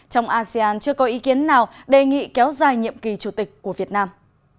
trong asean chưa có ý kiến nào đề nghị kéo dài nhiệm kỳ chủ tịch của việt nam